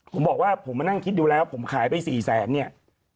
ผมบอกว่าผมมานั่งคิดดูแล้วผมขายไป๔แสนเนี่ย